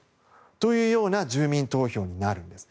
というような住民投票になるんです。